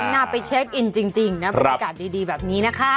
น่าไปเช็คอินจริงนะบรรยากาศดีแบบนี้นะคะ